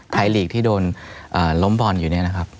ลีกที่โดนล้มบอลอยู่เนี่ยนะครับ